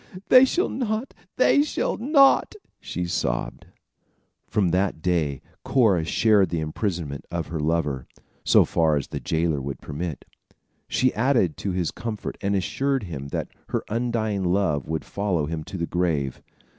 they shall not! they shall not!" she sobbed. From that day, Cora shared the imprisonment of her lover, so far as the jailer would permit. She added to his comfort and assured him that her undying love would follow him to the grave.